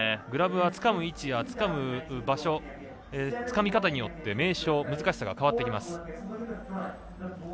グラブはつかむ位置やつかむ場所、つかみ方によって名称や難しさが変わってきます。